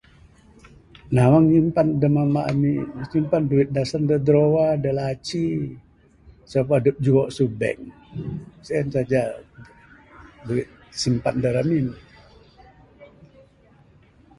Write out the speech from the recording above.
Nawang nyimpan da mamba ami. Simpan duit dasan da drawer, da laci. Sabab adep juho masu bank. Sien saja duit simpan da ramin.